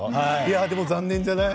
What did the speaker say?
でも残念じゃない？